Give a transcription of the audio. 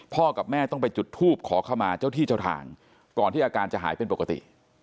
กับแม่ต้องไปจุดทูบขอเข้ามาเจ้าที่เจ้าทางก่อนที่อาการจะหายเป็นปกติ